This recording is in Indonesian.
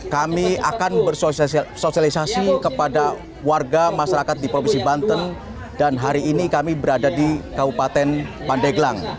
kami akan bersosialisasi kepada warga masyarakat di provinsi banten dan hari ini kami berada di kabupaten pandeglang